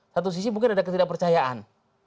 satu sisi mungkin ada ketidakpercayaan